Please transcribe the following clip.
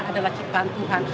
adalah ciptaan tuhan